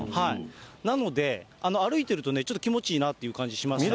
なので、歩いてるとね、ちょっと気持ちいいなという感じしましたね。